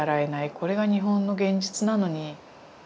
これが日本の現実なのに。